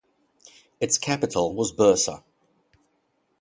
Its capital was Bursa.